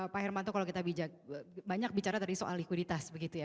pak hermanto kalau kita banyak bicara tadi soal likuiditas begitu ya